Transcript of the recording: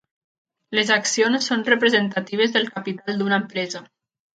Les accions són representatives del capital d'una empresa.